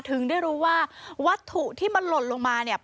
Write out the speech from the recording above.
ถึงได้รู้ว่าวัตถุที่มันหล่นลงมาเนี่ย